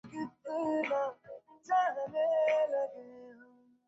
সে তার সাথে অন্তরঙ্গ হওয়া উপভোগ করেছে এবং একটা ভিডিয়োও করেছিল, বন্ধু।